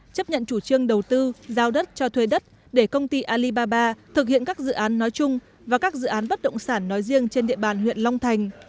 chấp nhận chủ trương đầu tư giao đất cho thuê đất để công ty alibaba thực hiện các dự án nói chung và các dự án bất động sản nói riêng trên địa bàn huyện long thành